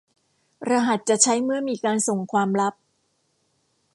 รหัสจะใช้เมื่อมีการส่งความลับ